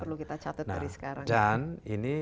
perlu kita catat dari sekarang kan ini